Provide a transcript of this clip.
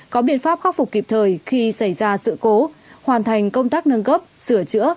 có biện pháp khắc phục kịp thời khi xảy ra sự cố hoàn thành công tác nâng cấp sửa chữa